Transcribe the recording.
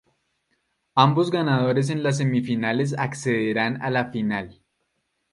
Ambos ganadores en las semifinales accederán a la final.